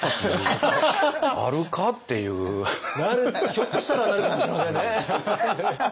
ひょっとしたらなるかもしれませんね。